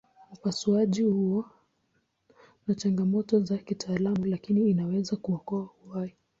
Upasuaji huo huwa na changamoto za kitaalamu lakini inaweza kuokoa uhai.